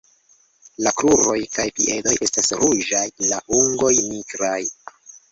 La kruroj kaj piedoj estas ruĝaj, la ungoj nigraj.